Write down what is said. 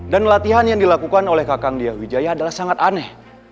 dan latihan yang dilakukan oleh kakang dia wijaya adalah sangat aneh